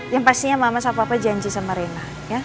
yang pastinya mama sama papa janji sama rena